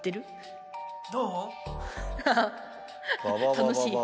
楽しい。